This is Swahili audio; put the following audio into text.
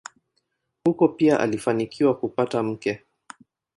Huko pia alifanikiwa kupata mke.